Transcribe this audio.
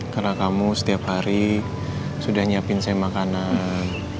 karena kamu setiap hari sudah nyiapin saya makanan